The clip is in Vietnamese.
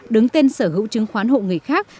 đứng tên sở hữu chứng khoán hộ người khác